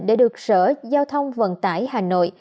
để được sở giao thông vận tải hà nội